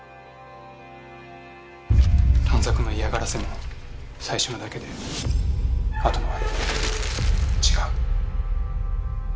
短冊の嫌がらせも最初のだけであとのは違う。